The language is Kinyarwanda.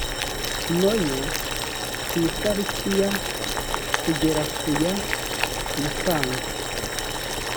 no yo ku itariki ya kugera ku ya nyakanga